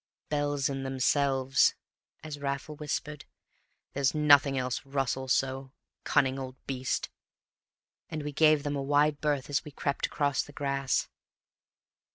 "Bells in themselves," as Raffles whispered; "there's nothing else rustles so cunning old beast!" And we gave them a wide berth as we crept across the grass.